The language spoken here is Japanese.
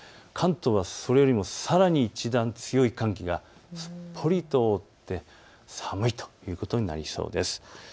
関東はそれよりもさらに一段強い寒気がすっぽりと覆って寒いということになりそうです。